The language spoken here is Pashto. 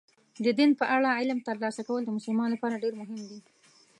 د دین په اړه علم ترلاسه کول د مسلمان لپاره ډېر مهم دي.